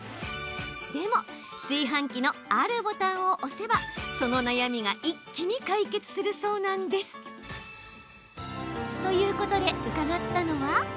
でも炊飯器のあるボタンを押せばその悩みが一気に解決するそうなんです。ということで伺ったのは。